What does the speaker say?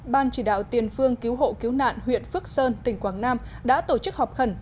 ban chỉ đạo tiền phương cứu hộ cứu nạn huyện phước sơn tỉnh quảng nam đã tổ chức họp khẩn